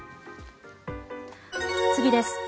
次です。